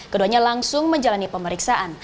keduanya langsung menjalani pemeriksaan